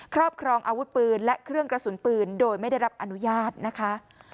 ครอบครองอาวุธปืนและเครื่องกระสุนปืนโดยไม่ได้รับอนุญาตนะคะ